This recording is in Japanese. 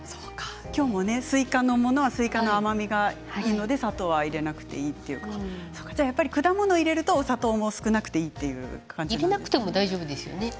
今日もスイカのものはスイカの甘みがいいので砂糖は入れなくていいとやっぱり果物を入れると砂糖も少なくていい入れなくても大丈夫ですよね。